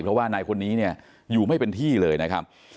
เพราะว่านายคนนี้เนี่ยอยู่ไม่เป็นที่เลยนะครับ